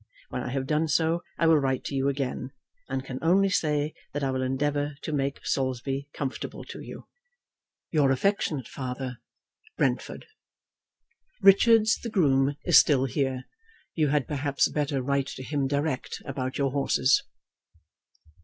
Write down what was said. When I have done so, I will write to you again, and can only say that I will endeavour to make Saulsby comfortable to you. Your affectionate father, BRENTFORD. Richards, the groom, is still here. You had perhaps better write to him direct about your horses.